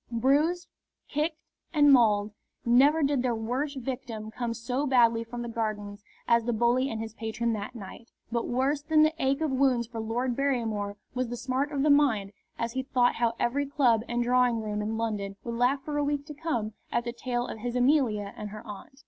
Bruised, kicked, and mauled, never did their worst victim come so badly from the Gardens as the bully and his patron that night. But worse than the ache of wounds for Lord Barrymore was the smart of the mind as he thought how every club and drawing room in London would laugh for a week to come at the tale of his Amelia and her aunt.